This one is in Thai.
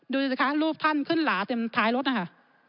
ดูสิคะรูปท่านขึ้นหลาเต็มท้ายรถนะคะ